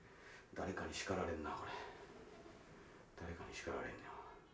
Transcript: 誰かに叱られんな。